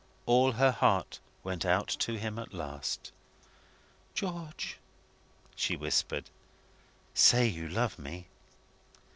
All her heart went out to him at last. "George!" she whispered. "Say you love me!"